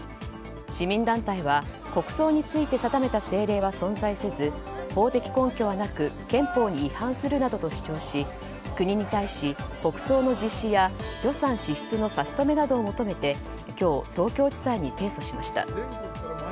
市民団体は国葬について定めた政令は存在せず法的根拠はなく憲法に違反するなどと主張し国に対し、国葬の実施や予算支出の差し止めなどを求めて今日、東京地裁に提訴しました。